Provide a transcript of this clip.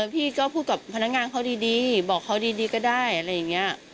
พี่ก็พูดกับพนักงานเขาดีบอกเขาดีก็ได้อะไรอย่างนี้